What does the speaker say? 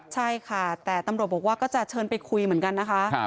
ใช่ค่ะแต่ตำรวจบอกว่าก็จะเชิญไปคุยเหมือนกันนะคะ